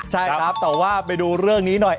ใช่ครับแต่ว่าไปดูเรื่องนี้หน่อย